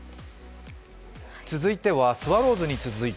続いては、スワローズに続いて